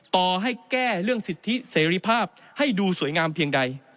ต่อให้แก้เรื่องสิทธิเสรีภาพให้ดูสวยงามเพียงใด